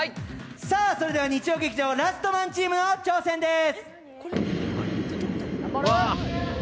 それでは日曜劇場「ラストマン」チームの挑戦です。